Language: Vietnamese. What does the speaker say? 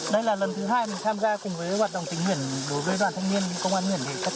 đây là lần thứ hai mình tham gia cùng với hoạt động tính huyện đối với đoàn thanh niên công an huyện thành thất